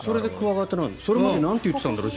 それまでなんて言っていたんだろう。